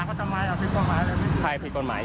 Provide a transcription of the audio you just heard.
พี่แกบอกว่าคุณผู้ชมไปดูคลิปนี้กันหน่อยนะฮะ